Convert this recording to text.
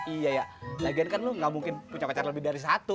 iya ya lagian kan lu gak mungkin punya pacar lebih dari satu